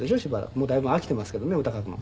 もうだいぶ飽きてますけどね歌書くの。